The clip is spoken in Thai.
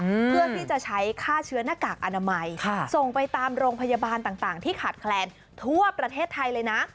เพื่อที่จะใช้ฆ่าเชื้อหน้ากากอนามัยค่ะส่งไปตามโรงพยาบาลต่างต่างที่ขาดแคลนทั่วประเทศไทยเลยนะ